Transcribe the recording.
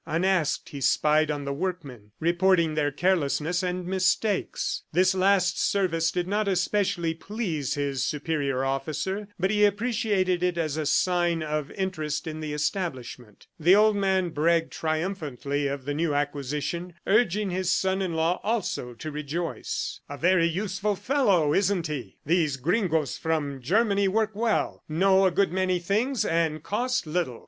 Unasked, he spied on the workmen, reporting their carelessness and mistakes. This last service did not especially please his superior officer, but he appreciated it as a sign of interest in the establishment. The old man bragged triumphantly of the new acquisition, urging his son in law also to rejoice. "A very useful fellow, isn't he? ... These gringoes from Germany work well, know a good many things and cost little.